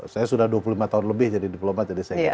saya sudah dua puluh lima tahun lebih jadi diplomat